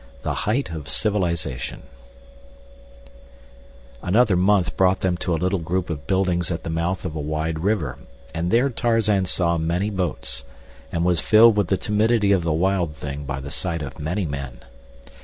The Height of Civilization Another month brought them to a little group of buildings at the mouth of a wide river, and there Tarzan saw many boats, and was filled with the timidity of the wild thing by the sight of many men.